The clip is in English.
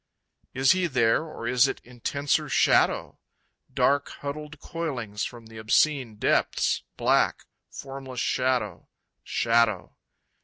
Is he there or is it intenser shadow? Dark huddled coilings from the obscene depths, Black, formless shadow, Shadow.